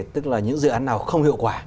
tức là những dự án nào không hiệu quả